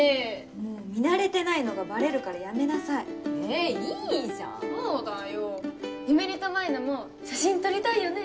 もう見慣れてないのがバレるからやめなさいえっいいじゃんそうだよゆめ莉と舞菜も写真撮りたいよね？